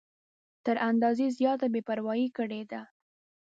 تر اندازې زیاته بې پروايي کړې ده.